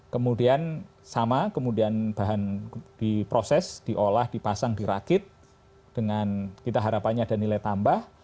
kemudian sama kemudian bahan diproses diolah dipasang dirakit dengan kita harapannya ada nilai tambah